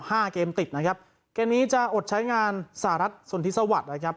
ห้าเกมติดนะครับเกมนี้จะอดใช้งานสหรัฐสนทิสวัสดิ์นะครับ